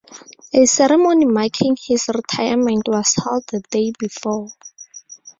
A ceremony marking his retirement was held the day before.